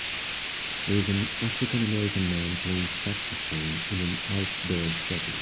There is an African American man playing saxophone in an outdoor setting.